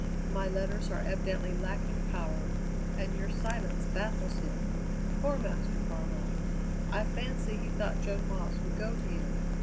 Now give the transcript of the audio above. My letters are evidently lacking power, and your silence baffles him." "Poor Master Farwell!" "I fancy he thought Joan Moss would go to him.